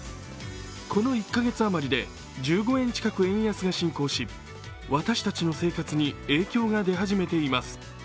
この１カ月あまりで１５円近く円安が進行し私たちの生活に影響が出始めています。